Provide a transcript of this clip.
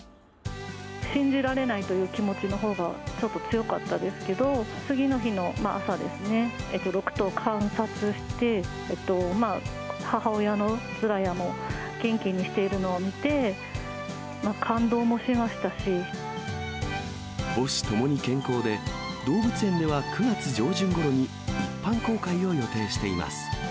信じられないという気持ちのほうがちょっと強かったですけど、次の日の朝ですね、６頭観察して、母親のズラヤも元気にしているのを見て、母子ともに健康で、動物園では９月上旬ごろに一般公開を予定しています。